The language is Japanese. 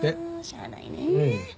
しゃあないね。